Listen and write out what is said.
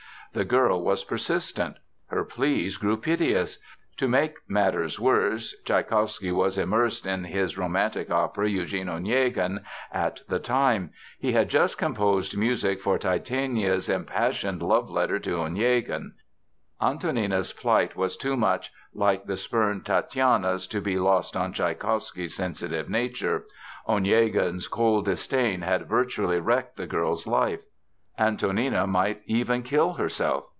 The girl was persistent. Her pleas grew piteous. To make matters worse, Tschaikowsky was immersed in his romantic opera Eugene Onegin at the time. He had just composed music for Tatiana's impassioned love letter to Onegin. Antonina's plight was too much like the spurned Tatiana's to be lost on Tschaikowsky's sensitive nature. Onegin's cold disdain had virtually wrecked the girl's life. Antonina might even kill herself.